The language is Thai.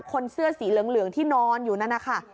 คนเสื้อสีเหลืองที่นอนอยู่นั่นนะคะ